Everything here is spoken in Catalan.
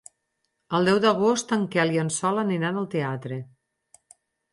El deu d'agost en Quel i en Sol aniran al teatre.